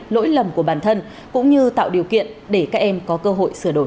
lỗi lầm của bản thân cũng như tạo điều kiện để các em có cơ hội sửa đổi